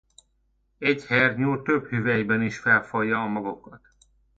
Egy hernyó több hüvelyben is felfalja a magokat.